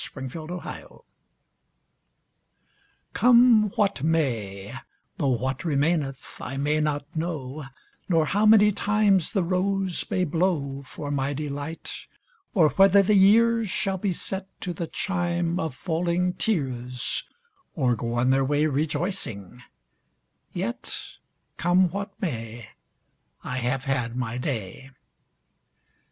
COME WHAT MAY Come what may — Though what remaineth I may not know, Nor how many times the rose may blow For my delight, or whether the years Shall be set to the chime of falling tears, Or go on their way rejoicing — Yet, come what may, I have had my day